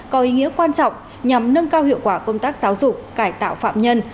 có ý nghĩa quan trọng nhằm nâng cao hiệu quả công tác giáo dục cải tạo phạm nhân